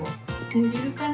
ぬげるかな？